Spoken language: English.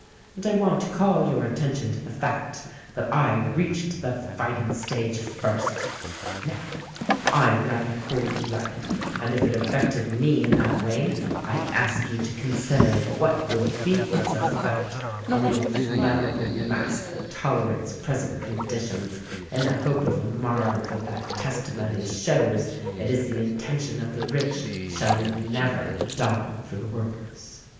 And I want to call your attention to the fact that I reached the fighting stage first. Now, I am rather cool blooded, and if it affected me in that way I ask you to consider what would be its effect on the inflammable mass that tolerates present conditions in the hope of a morrow that that testimony shows it is the intention of the rich shall never dawn for the workers.